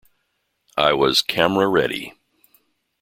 I was 'camera ready'.